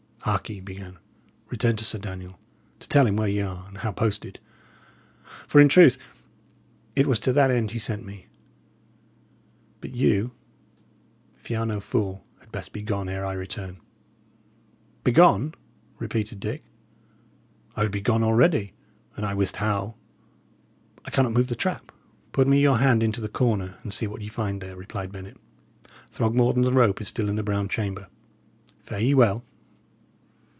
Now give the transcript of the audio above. "Hark ye," he began, "return to Sir Daniel, to tell him where ye are, and how posted; for, in truth, it was to that end he sent me. But you, if ye are no fool, had best be gone ere I return." "Begone!" repeated Dick. "I would be gone already, an' I wist how. I cannot move the trap." "Put me your hand into the corner, and see what ye find there," replied Bennet. "Throgmorton's rope is still in the brown chamber. Fare ye well."